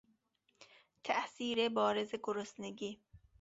تاءثیر بارز گرسنگی